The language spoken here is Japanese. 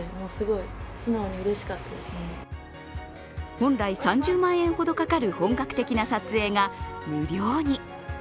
本来、３０万円ほどかかる本格的な撮影が無料に。